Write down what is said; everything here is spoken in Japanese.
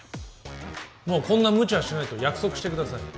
もうこんな無茶はしないと約束してください